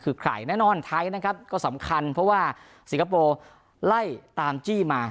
คือใครแน่นอนไทยนะครับก็สำคัญเพราะว่าสิงคโปร์ไล่ตามจี้มา